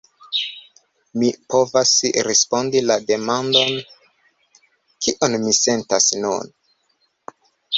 Mi povas respondi la demandon: kion mi sentas nun?